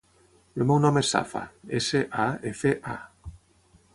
El meu nom és Safa: essa, a, efa, a.